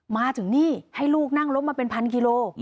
มาถึงนี่ให้ลูกนั่งรถมาเป็นพันกิโล